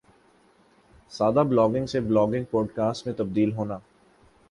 سادہ بلاگنگ سے blogging podcasting میں تبدیل ہونا